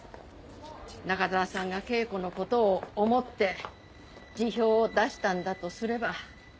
中沢さんが恵子のことを思って辞表を出したんだとすれば。